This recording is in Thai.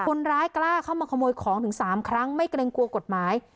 คนร้ายกล้าเข้ามาขโมยของถึง๓ครั้งไม่เกรงกลัวกฎหมาย